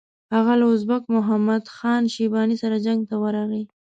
هغه له ازبک محمد خان شیباني سره جنګ ته ورغی.